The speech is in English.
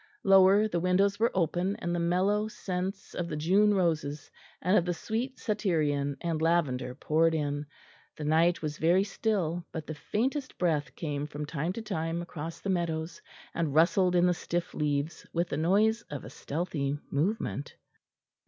Lower, the windows were open, and the mellow scents of the June roses, and of the sweet satyrian and lavender poured in; the night was very still, but the faintest breath came from time to time across the meadows and rustled in the stiff leaves with the noise of a stealthy movement.